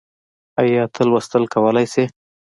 ايا ته لوستل کولی شې؟